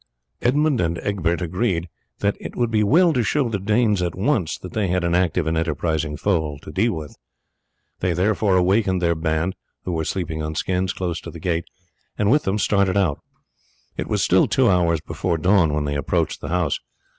Edmund and Egbert agreed that it would be well to show the Danes at once that they had an active and enterprising foe to deal with; they therefore awakened their band, who were sleeping on skins close to the gate, and with them started out. It was still two hours before dawn when they approached the house.